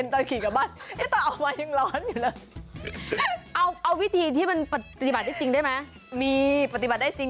ทำไมมันเย็นตอนขี่กลับบ้าน